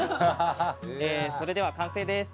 それでは完成です。